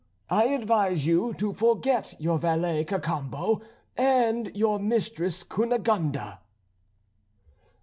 I advise you to forget your valet Cacambo and your mistress Cunegonde."